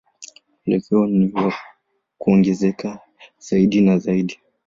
Mwelekeo ni wa kuongezeka zaidi na zaidi.